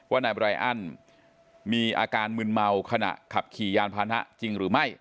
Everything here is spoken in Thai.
นายไบรอันมีอาการมึนเมาขณะขับขี่ยานพานะจริงหรือไม่